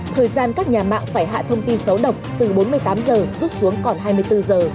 thời gian các nhà mạng phải hạ thông tin xấu độc từ bốn mươi tám giờ rút xuống còn hai mươi bốn giờ